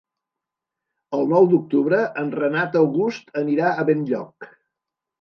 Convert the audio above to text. El nou d'octubre en Renat August anirà a Benlloc.